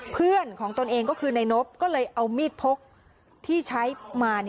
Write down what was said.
เพื่อนของตนเองก็คือนายนบก็เลยเอามีดพกที่ใช้มา